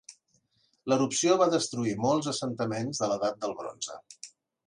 L'erupció va destruir molts assentaments de l'edat del bronze.